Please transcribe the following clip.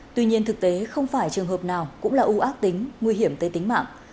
tuy nhiên thực tế không phải trường hợp nào cũng là u ác tính nguy hiểm tới tính mạng